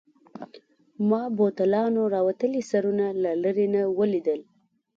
ما بوتلانو راوتلي سرونه له لیري نه ولیدل.